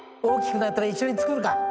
大きくなったら一緒に作るか。